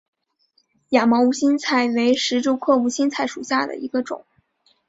亚毛无心菜为石竹科无心菜属下的一个种。